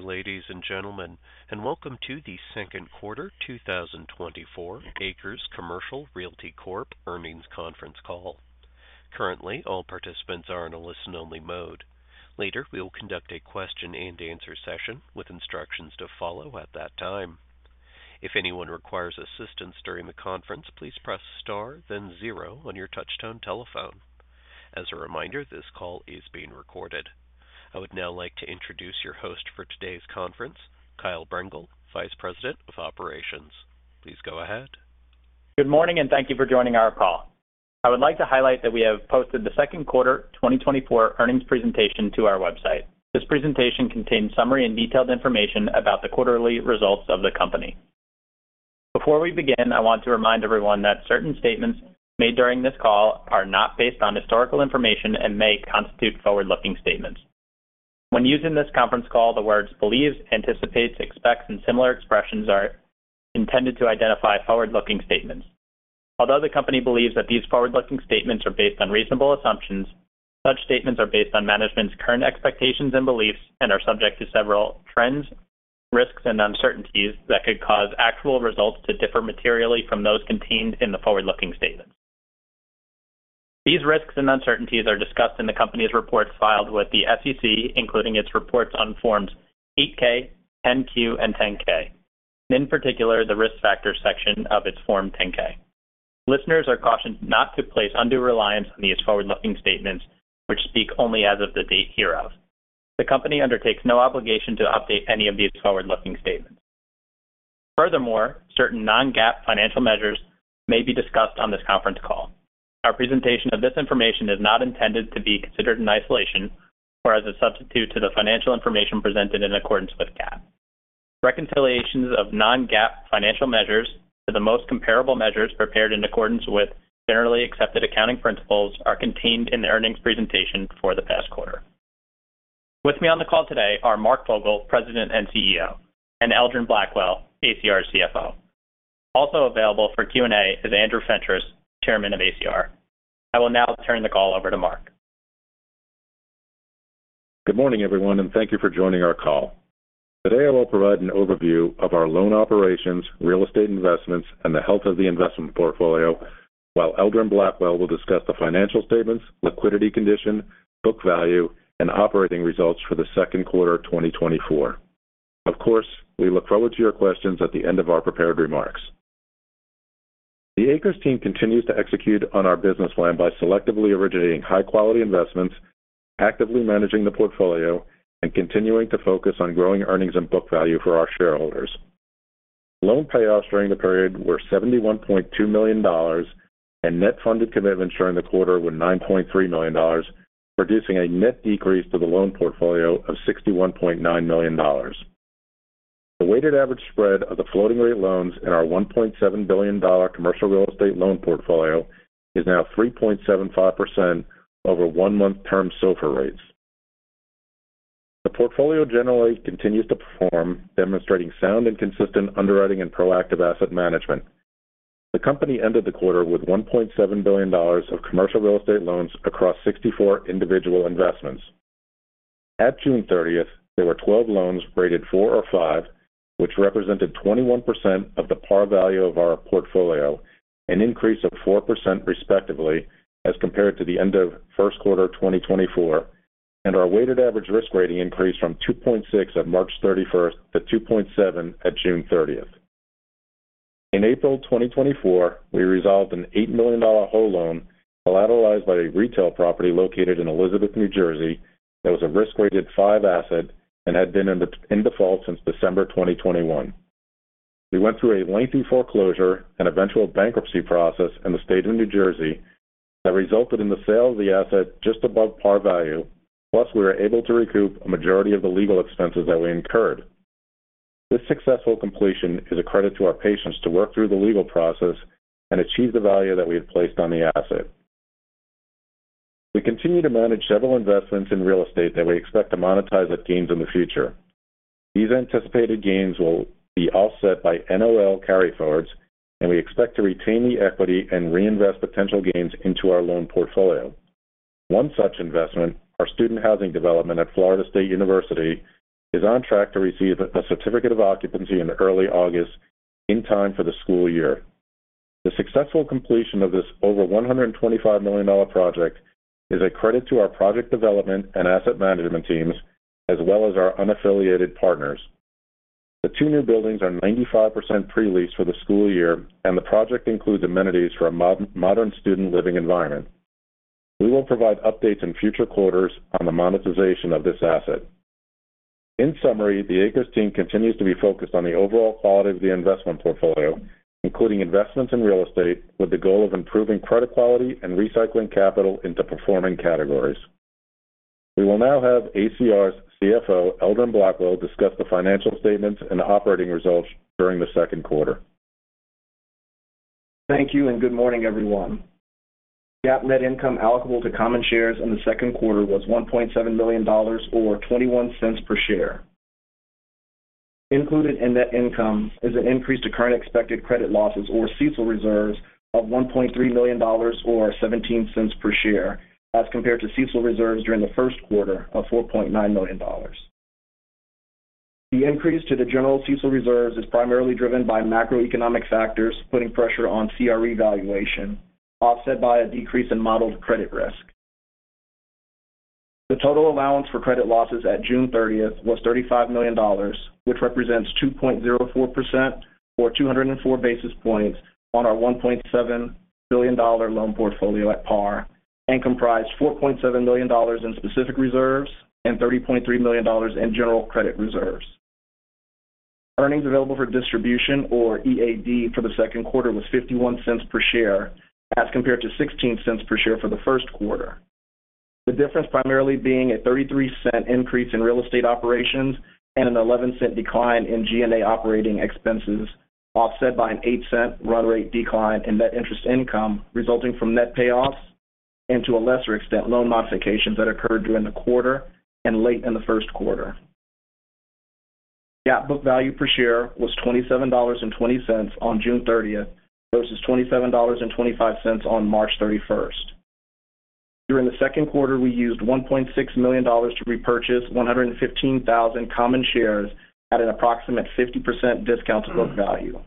Good day, ladies and gentlemen, and welcome to the second quarter 2024 ACRES Commercial Realty Corp earnings conference call. Currently, all participants are in a listen-only mode. Later, we will conduct a question-and-answer session with instructions to follow at that time. If anyone requires assistance during the conference, please press star, then zero on your touch-tone telephone. As a reminder, this call is being recorded. I would now like to introduce your host for today's conference, Kyle Brengel, Vice President of Operations. Please go ahead. Good morning, and thank you for joining our call. I would like to highlight that we have posted the second quarter 2024 earnings presentation to our website. This presentation contains summary and detailed information about the quarterly results of the company. Before we begin, I want to remind everyone that certain statements made during this call are not based on historical information and may constitute forward-looking statements. When using this conference call, the words "believes," "anticipates," "expects," and similar expressions are intended to identify forward-looking statements. Although the company believes that these forward-looking statements are based on reasonable assumptions, such statements are based on management's current expectations and beliefs and are subject to several trends, risks, and uncertainties that could cause actual results to differ materially from those contained in the forward-looking statements. These risks and uncertainties are discussed in the company's reports filed with the SEC, including its reports on Forms 8-K, 10-Q, and 10-K, and in particular, the risk factor section of its Form 10-K. Listeners are cautioned not to place undue reliance on these forward-looking statements, which speak only as of the date hereof. The company undertakes no obligation to update any of these forward-looking statements. Furthermore, certain non-GAAP financial measures may be discussed on this conference call. Our presentation of this information is not intended to be considered in isolation or as a substitute to the financial information presented in accordance with GAAP. Reconciliations of non-GAAP financial measures to the most comparable measures prepared in accordance with generally accepted accounting principles are contained in the earnings presentation for the past quarter. With me on the call today are Mark Fogel, President and CEO, and Eldron Blackwell, ACR CFO. Also available for Q&A is Andrew Fentress, Chairman of ACR. I will now turn the call over to Mark. Good morning, everyone, and thank you for joining our call. Today, I will provide an overview of our loan operations, real estate investments, and the health of the investment portfolio, while Eldron Blackwell will discuss the financial statements, liquidity condition, book value, and operating results for the second quarter 2024. Of course, we look forward to your questions at the end of our prepared remarks. The ACRES team continues to execute on our business plan by selectively originating high-quality investments, actively managing the portfolio, and continuing to focus on growing earnings and book value for our shareholders. Loan payoffs during the period were $71.2 million, and net funded commitments during the quarter were $9.3 million, producing a net decrease to the loan portfolio of $61.9 million. The weighted average spread of the floating rate loans in our $1.7 billion commercial real estate loan portfolio is now 3.75% over one-month Term SOFR rates. The portfolio generally continues to perform, demonstrating sound and consistent underwriting and proactive asset management. The company ended the quarter with $1.7 billion of commercial real estate loans across 64 individual investments. At June 30th, there were 12 loans rated four or five, which represented 21% of the par value of our portfolio, an increase of 4% respectively as compared to the end of first quarter 2024, and our weighted average risk rating increased from 2.6 at March 31st to 2.7 at June 30th. In April 2024, we resolved an $8 million whole loan collateralized by a retail property located in Elizabeth, New Jersey, that was a risk-rated five asset and had been in default since December 2021. We went through a lengthy foreclosure and eventual bankruptcy process in the state of New Jersey that resulted in the sale of the asset just above par value, plus we were able to recoup a majority of the legal expenses that we incurred. This successful completion is a credit to our patience to work through the legal process and achieve the value that we had placed on the asset. We continue to manage several investments in real estate that we expect to monetize at gains in the future. These anticipated gains will be offset by NOL carryforwards, and we expect to retain the equity and reinvest potential gains into our loan portfolio. One such investment, our student housing development at Florida State University, is on track to receive a certificate of occupancy in early August in time for the school year. The successful completion of this over $125 million project is a credit to our project development and asset management teams, as well as our unaffiliated partners. The two new buildings are 95% pre-leased for the school year, and the project includes amenities for a modern student living environment. We will provide updates in future quarters on the monetization of this asset. In summary, the ACRES team continues to be focused on the overall quality of the investment portfolio, including investments in real estate, with the goal of improving credit quality and recycling capital into performing categories. We will now have ACR's CFO, Eldron Blackwell, discuss the financial statements and operating results during the second quarter. Thank you, and good morning, everyone. GAAP net income allocable to common shares in the second quarter was $1.7 million or $0.21 per share. Included in net income is an increase to current expected credit losses or CECL reserves of $1.3 million or $0.17 per share as compared to CECL reserves during the first quarter of $4.9 million. The increase to the general CECL reserves is primarily driven by macroeconomic factors putting pressure on CRE valuation, offset by a decrease in modeled credit risk. The total allowance for credit losses at June 30th was $35 million, which represents 2.04% or 204 basis points on our $1.7 billion loan portfolio at par and comprised $4.7 million in specific reserves and $30.3 million in general credit reserves. Earnings available for distribution, or EAD, for the second quarter was $0.51 per share as compared to $0.16 per share for the first quarter, the difference primarily being a $0.33 increase in real estate operations and an $0.11 decline in G&A operating expenses, offset by an $0.08 run rate decline in net interest income resulting from net payoffs and, to a lesser extent, loan modifications that occurred during the quarter and late in the first quarter. GAAP book value per share was $27.20 on June 30th versus $27.25 on March 31st. During the second quarter, we used $1.6 million to repurchase 115,000 common shares at an approximate 50% discount to book value.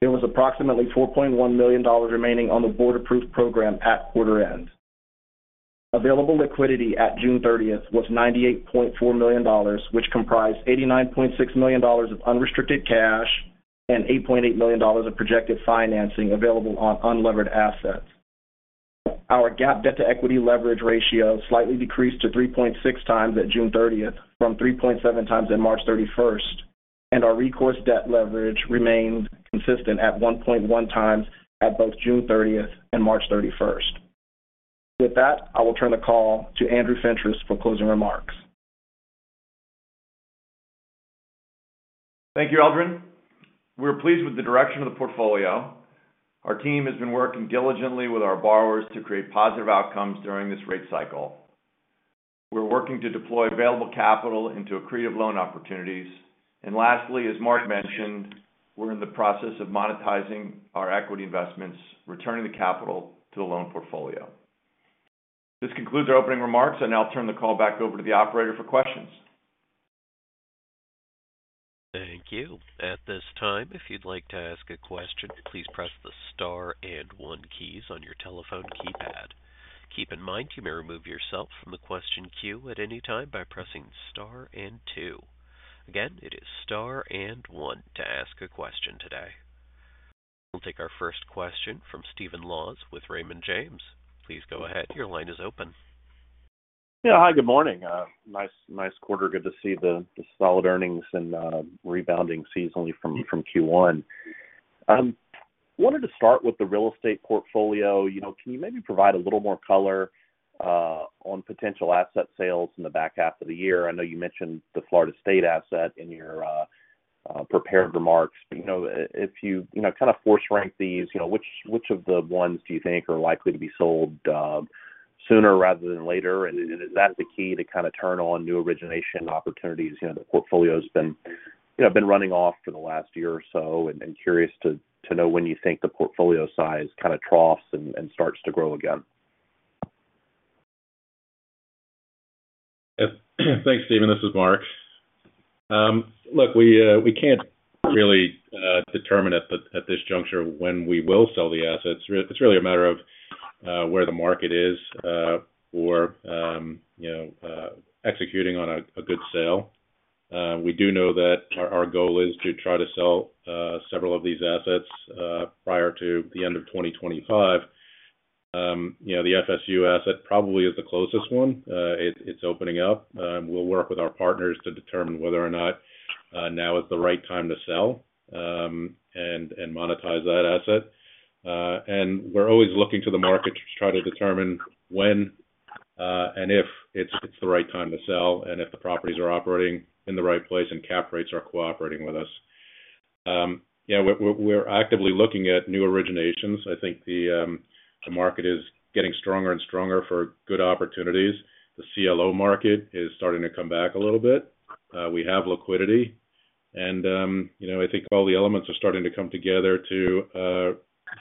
There was approximately $4.1 million remaining on the board-approved program at quarter end. Available liquidity at June 30th was $98.4 million, which comprised $89.6 million of unrestricted cash and $8.8 million of projected financing available on unlevered assets. Our GAAP debt-to-equity leverage ratio slightly decreased to 3.6x at June 30th from 3.7x on March 31st, and our recourse debt leverage remained consistent at 1.1x at both June 30th and March 31st. With that, I will turn the call to Andrew Fentress for closing remarks. Thank you, Eldron. We're pleased with the direction of the portfolio. Our team has been working diligently with our borrowers to create positive outcomes during this rate cycle. We're working to deploy available capital into accretive loan opportunities. And lastly, as Mark mentioned, we're in the process of monetizing our equity investments, returning the capital to the loan portfolio. This concludes our opening remarks, and I'll turn the call back over to the operator for questions. Thank you. At this time, if you'd like to ask a question, please press the star and one keys on your telephone keypad. Keep in mind you may remove yourself from the question queue at any time by pressing star and two. Again, it is star and one to ask a question today. We'll take our first question from Stephen Laws with Raymond James. Please go ahead. Your line is open. Yeah. Hi, good morning. Nice, nice quarter. Good to see the solid earnings and rebounding seasonally from Q1. I wanted to start with the real estate portfolio. Can you maybe provide a little more color on potential asset sales in the back half of the year? I know you mentioned the Florida State asset in your prepared remarks. If you kind of force rank these, which of the ones do you think are likely to be sold sooner rather than later? And that's the key to kind of turn on new origination opportunities. The portfolio has been running off for the last year or so, and curious to know when you think the portfolio size kind of troughs and starts to grow again. Thanks, Stephen. This is Mark. Look, we can't really determine at this juncture when we will sell the assets. It's really a matter of where the market is for executing on a good sale. We do know that our goal is to try to sell several of these assets prior to the end of 2025. The FSU asset probably is the closest one. It's opening up. We'll work with our partners to determine whether or not now is the right time to sell and monetize that asset. And we're always looking to the market to try to determine when and if it's the right time to sell and if the properties are operating in the right place and cap rates are cooperating with us. Yeah, we're actively looking at new originations. I think the market is getting stronger and stronger for good opportunities. The CLO market is starting to come back a little bit. We have liquidity. I think all the elements are starting to come together to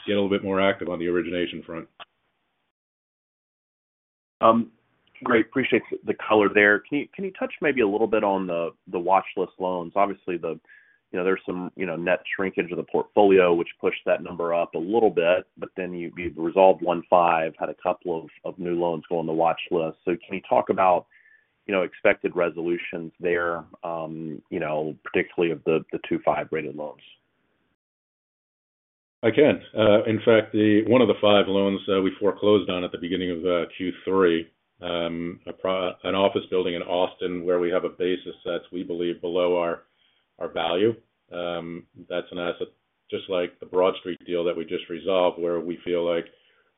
get a little bit more active on the origination front. Great. Appreciate the color there. Can you touch maybe a little bit on the watchlist loans? Obviously, there's some net shrinkage of the portfolio, which pushed that number up a little bit, but then you resolved 1/5, had a couple of new loans go on the watchlist. So can you talk about expected resolutions there, particularly of the 2/5 rated loans? I can. In fact, one of the 5 loans we foreclosed on at the beginning of Q3, an office building in Austin where we have a basis that's, we believe, below our value. That's an asset just like the Broad Street deal that we just resolved, where we feel like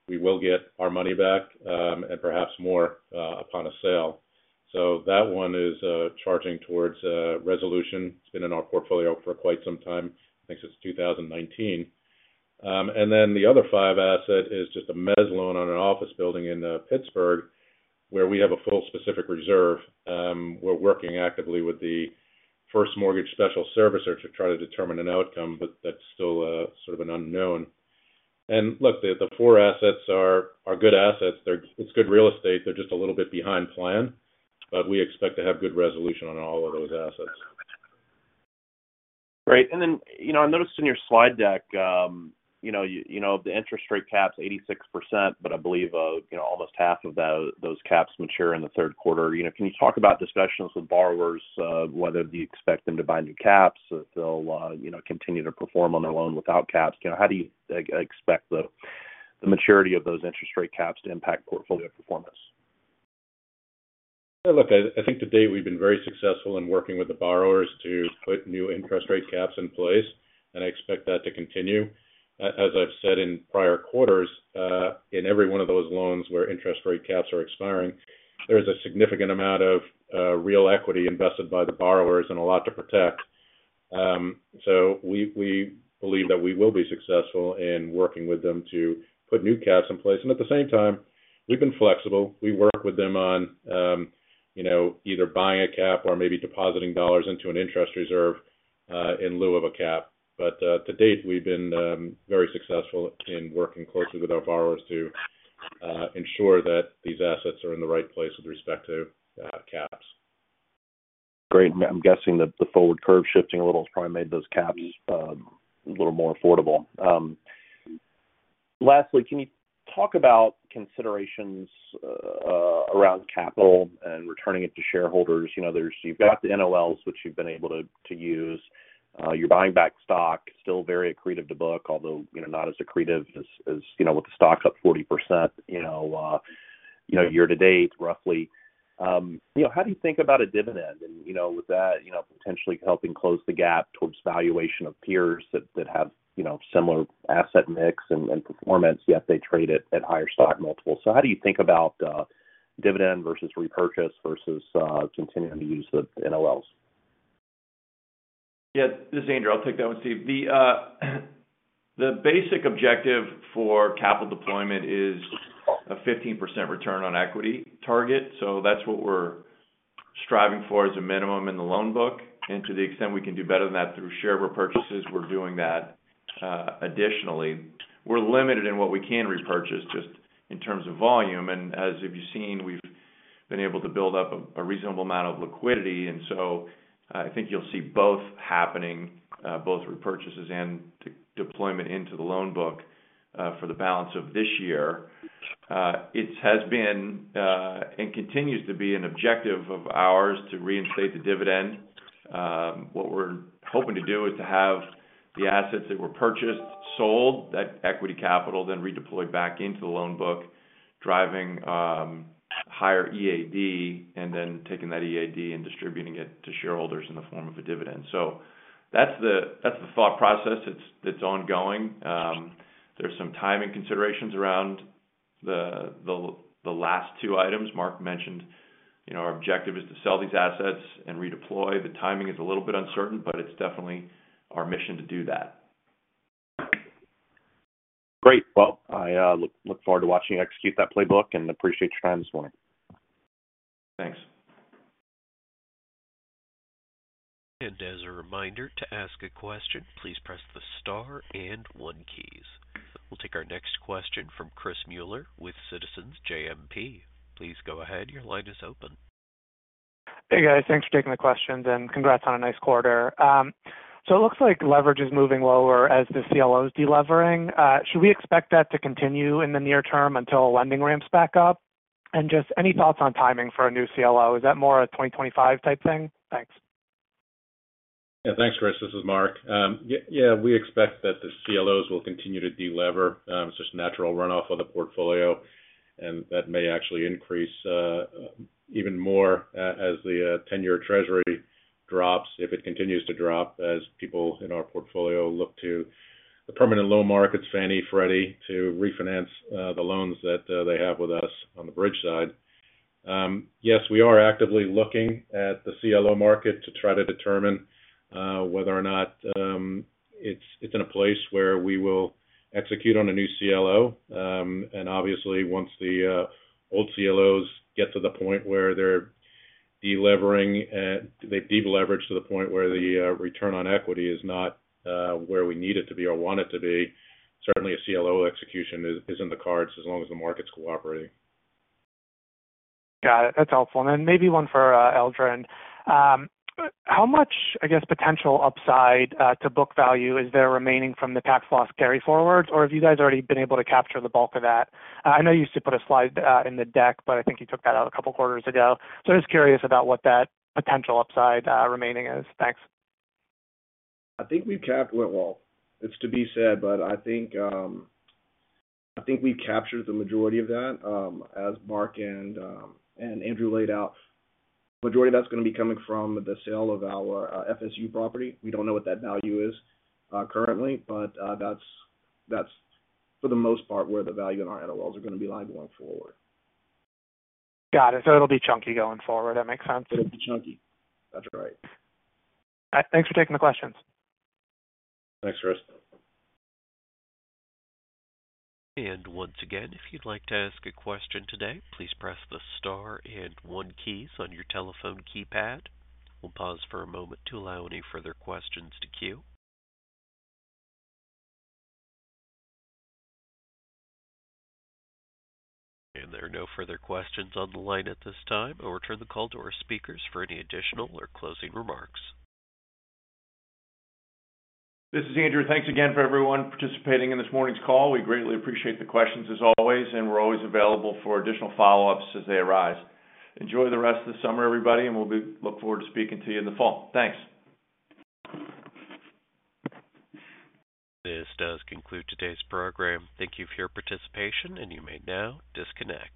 we will get our money back and perhaps more upon a sale. So that one is charging towards resolution. It's been in our portfolio for quite some time. I think since 2019. And then the other five asset is just a mezz loan on an office building in Pittsburgh where we have a full specific reserve. We're working actively with the first mortgage special servicer to try to determine an outcome, but that's still sort of an unknown. And look, the four assets are good assets. It's good real estate. They're just a little bit behind plan, but we expect to have good resolution on all of those assets. Great. And then I noticed in your slide deck, the interest rate caps 86%, but I believe almost half of those caps mature in the third quarter. Can you talk about discussions with borrowers, whether you expect them to buy new caps, if they'll continue to perform on their loan without caps? How do you expect the maturity of those interest rate caps to impact portfolio performance? Look, I think to date, we've been very successful in working with the borrowers to put new interest rate caps in place, and I expect that to continue. As I've said in prior quarters, in every one of those loans where interest rate caps are expiring, there is a significant amount of real equity invested by the borrowers and a lot to protect. So we believe that we will be successful in working with them to put new caps in place. And at the same time, we've been flexible. We work with them on either buying a cap or maybe depositing dollars into an interest reserve in lieu of a cap. But to date, we've been very successful in working closely with our borrowers to ensure that these assets are in the right place with respect to caps. Great. I'm guessing that the forward curve shifting a little has probably made those caps a little more affordable. Lastly, can you talk about considerations around capital and returning it to shareholders? You've got the NOLs, which you've been able to use. You're buying back stock, still very accretive to book, although not as accretive as with the stock up 40% year-to-date, roughly. How do you think about a dividend? And with that, potentially helping close the gap towards valuation of peers that have similar asset mix and performance, yet they trade at higher stock multiples. So how do you think about dividend versus repurchase versus continuing to use the NOLs? Yeah. This is Andrew. I'll take that one, Steve. The basic objective for capital deployment is a 15% return on equity target. So that's what we're striving for as a minimum in the loan book. And to the extent we can do better than that through share repurchases, we're doing that additionally. We're limited in what we can repurchase just in terms of volume. And as you've seen, we've been able to build up a reasonable amount of liquidity. And so I think you'll see both happening, both repurchases and deployment into the loan book for the balance of this year. It has been and continues to be an objective of ours to reinstate the dividend. What we're hoping to do is to have the assets that were purchased sold, that equity capital then redeployed back into the loan book, driving higher EAD, and then taking that EAD and distributing it to shareholders in the form of a dividend. That's the thought process. It's ongoing. There's some timing considerations around the last two items. Mark mentioned our objective is to sell these assets and redeploy. The timing is a little bit uncertain, but it's definitely our mission to do that. Great. Well, I look forward to watching you execute that playbook and appreciate your time this morning. Thanks. As a reminder, to ask a question, please press the star and one keys. We'll take our next question from Chris Muller with Citizens JMP. Please go ahead. Your line is open. Hey, guys. Thanks for taking the questions, and congrats on a nice quarter. So it looks like leverage is moving lower as the CLOs delevering. Should we expect that to continue in the near term until lending ramps back up? And just any thoughts on timing for a new CLO? Is that more a 2025 type thing? Thanks. Yeah. Thanks, Chris. This is Mark. Yeah, we expect that the CLOs will continue to delever. It's just natural runoff of the portfolio, and that may actually increase even more as the 10-year Treasury drops, if it continues to drop, as people in our portfolio look to the permanent loan markets, Fannie, Freddie, to refinance the loans that they have with us on the bridge side. Yes, we are actively looking at the CLO market to try to determine whether or not it's in a place where we will execute on a new CLO. And obviously, once the old CLOs get to the point where they're delevering, they've deleveraged to the point where the return on equity is not where we need it to be or want it to be, certainly a CLO execution is in the cards as long as the market's cooperating. Got it. That's helpful. And then maybe one for Eldron. How much, I guess, potential upside to book value is there remaining from the tax loss carry forwards, or have you guys already been able to capture the bulk of that? I know you used to put a slide in the deck, but I think you took that out a couple of quarters ago. So I'm just curious about what that potential upside remaining is. Thanks. I think we've capped well. It's to be said, but I think we've captured the majority of that. As Mark and Andrew laid out, the majority of that's going to be coming from the sale of our FSU property. We don't know what that value is currently, but that's, for the most part, where the value in our NOLs are going to be lying going forward. Got it. So it'll be chunky going forward. That makes sense. It'll be chunky. That's right. All right. Thanks for taking the questions. Thanks, Chris. Once again, if you'd like to ask a question today, please press the star and one keys on your telephone keypad. We'll pause for a moment to allow any further questions to queue. There are no further questions on the line at this time. I'll return the call to our speakers for any additional or closing remarks. This is Andrew. Thanks again for everyone participating in this morning's call. We greatly appreciate the questions as always, and we're always available for additional follow-ups as they arise. Enjoy the rest of the summer, everybody, and we'll look forward to speaking to you in the fall. Thanks. This does conclude today's program. Thank you for your participation, and you may now disconnect.